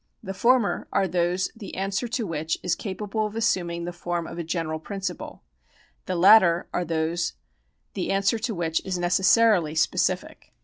The former are those the answer to which is capable of assuming the form of a general principle : the latter are those the answer to which is necessarily specific.